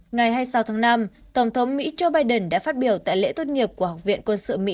ngày hai mươi sáu tháng năm tổng thống mỹ joe biden đã phát biểu tại lễ tốt nghiệp của học viện quân sự mỹ